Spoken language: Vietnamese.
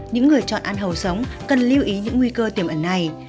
những người chọn ăn hầu sống cần lưu ý những nguy cơ tiềm ẩn này